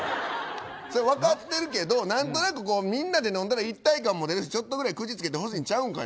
分かってるけど何となくみんなで飲んだら一体感も出るしちょっとぐらい口つけてほしいちゃうんかい。